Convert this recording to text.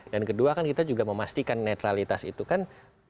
dan kedua kan kita juga memastikan netralitas itu kan